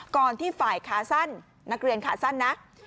ก่อนที่ฝ่ายขาสั้นนักเรียนขาสั้นนะ